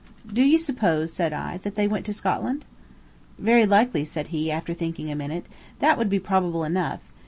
"Do you suppose," said I, "that they went to Scotland?" "Very likely," said he, after thinking a minute; "that would be probable enough.